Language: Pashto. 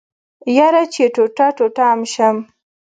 يره چې ټوټه ټوټه ام شم.